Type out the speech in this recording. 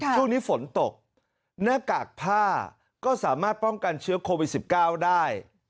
ช่วงนี้ฝนตกหน้ากากผ้าก็สามารถป้องกันเชื้อโควิด๑๙ได้